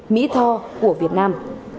mỹ tho của việt nam